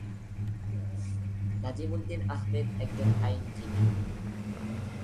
নাজিম উদ্দিন আহমেদ একজন আইনজীবী।